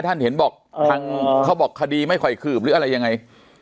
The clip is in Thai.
ท่านเห็นบอกทางเขาบอกคดีไม่ค่อยขืบหรืออะไรยังไง